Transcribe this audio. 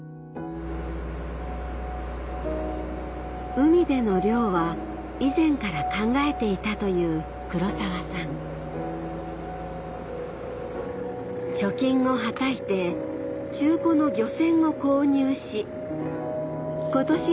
海での漁は以前から考えていたという黒澤さん貯金をはたいて中古の漁船を購入し今年